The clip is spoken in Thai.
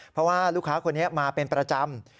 เพราะว่าลูกค้าคนนี้มาเป็นประจำ